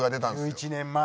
１１年前。